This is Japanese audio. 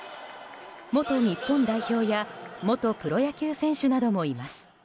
元日本代表や元プロ野球選手などもいます。